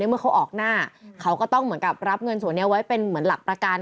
เมื่อเขาออกหน้าเขาก็ต้องเหมือนกับรับเงินส่วนนี้ไว้เป็นเหมือนหลักประกัน